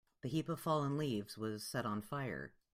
The heap of fallen leaves was set on fire.